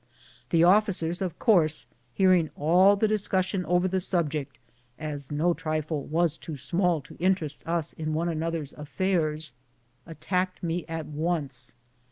The officers, of course, hearing all the discussion over the subject — as no trifle was too small to interest us in one another's affairs — attacked me at once.